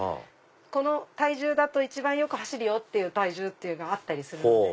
この体重だと一番よく走るよ！っていう体重があったりするので。